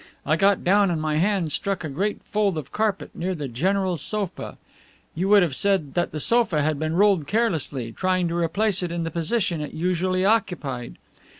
I got down and my hand struck a great fold of carpet near the general's sofa. You would have said that the sofa had been rolled carelessly, trying to replace it in the position it usually occupied.